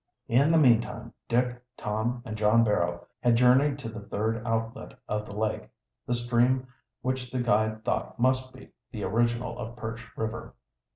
In the meantime Dick, Tom, and John Barrow had journeyed to the third outlet of the lake, the stream which the guide thought must be the original of Perch River.